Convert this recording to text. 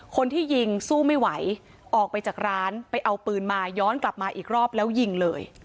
คนที่ยิงสู้ไม่ไหวออกไปจากร้านไปเอาปืนมาย้อนกลับมาอีกรอบแล้วยิงเลย